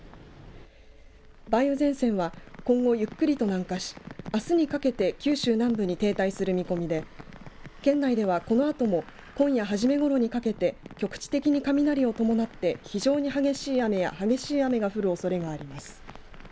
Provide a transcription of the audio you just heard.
梅雨前線は今後、ゆっくりと南下しあすにかけて九州南部に停滞する見込みで県内では、このあとも今夜初めごろにかけて局地的に雷を伴って非常に激しい雨や激しい雨が降るおそれがあります。